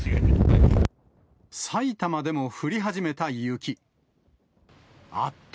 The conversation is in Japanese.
埼玉でも降り始めた雪。